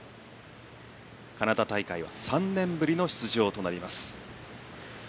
カナダ大会は３年ぶりの出場となります。